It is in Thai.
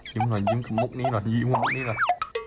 ยิ้มหน่อยยิ้มกับมุกนี้หน่อยยิ้มกับมุกนี้หน่อย